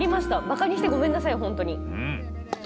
バカにしてごめんなさい本当に。